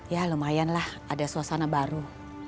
ya lumayan lah ada suasana baru